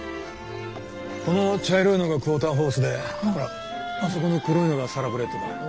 この茶色いのがクォーターホースでほらあそこの黒いのがサラブレッドだ。